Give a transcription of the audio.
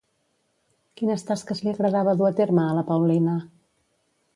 Quines tasques li agradava dur a terme a la Paulina?